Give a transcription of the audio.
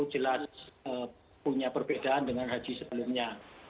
jelas punya perbedaan dengan haji sebelumnya